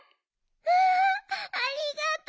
わあありがとう！